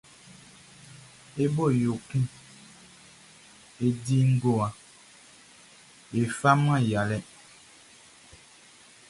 E bo yo kun e di ngowa, e faman ya lɛ.